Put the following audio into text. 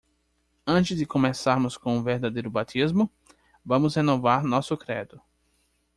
Antes de começarmos com o verdadeiro batismo?, vamos renovar nosso credo.